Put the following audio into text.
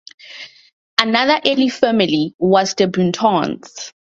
Another early family was the Buntons.